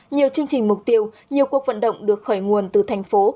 nhiều chương trình mục tiêu nhiều cuộc vận động được khởi nguồn từ thành phố